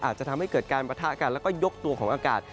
อาจจะทำให้เกิดการปะทะกันแล้วก็ยกตัวของอากาศ